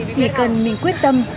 chỉ cần mình quyết tâm